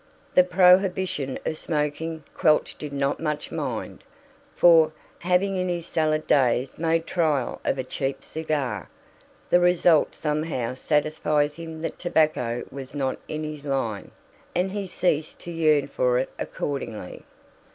The prohibition of smoking Quelch did not much mind; for, having in his salad days made trial of a cheap cigar, the result somehow satisfied him that tobacco was not in his line, and he ceased to yearn for it accordingly.